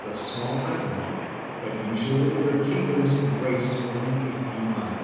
103 whole of a small island, but usually their "kingdoms" embraced only a few miles.